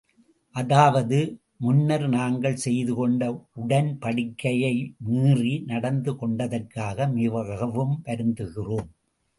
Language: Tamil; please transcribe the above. அதாவது முன்னர் நாங்கள் செய்து கொண்ட உடன்படிக்கையை மீறி, நடந்து கொண்டதற்காக மிகவும் வருந்துகிறோம்.